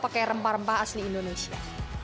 pakai rempah rempah asli indonesia